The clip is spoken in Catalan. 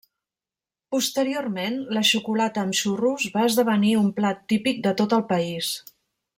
Posteriorment, la xocolata amb xurros va esdevenir un plat típic de tot el país.